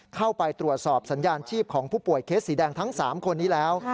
เข้าไปตรวจสอบสัญญาณชีพของผู้ป่วยเคสสีแดงทั้ง๓คนนี้แล้ว